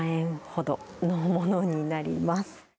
２０万円ほどのものになります。